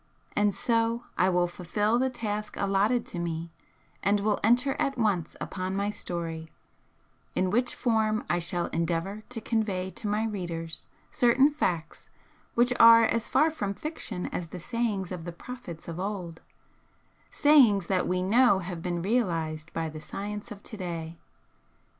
And so I will fulfil the task allotted to me, and will enter at once upon my 'story' in which form I shall endeavour to convey to my readers certain facts which are as far from fiction as the sayings of the prophets of old, sayings that we know have been realised by the science of to day.